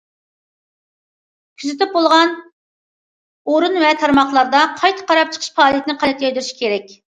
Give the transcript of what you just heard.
كۆزىتىپ بولغان ئورۇن ۋە تارماقلاردا قايتا قاراپ چىقىش پائالىيىتىنى قانات يايدۇرۇش كېرەك.